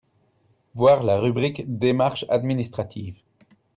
voir la rubrique démarches administratives.